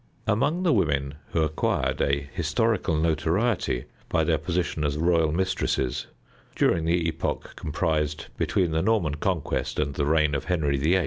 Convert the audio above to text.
Among the women who acquired a historical notoriety by their position as royal mistresses, during the epoch comprised between the Norman conquest and the reign of Henry VIII.